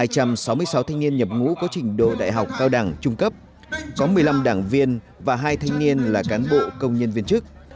hai trăm sáu mươi sáu thanh niên nhập ngũ có trình độ đại học cao đẳng trung cấp có một mươi năm đảng viên và hai thanh niên là cán bộ công nhân viên chức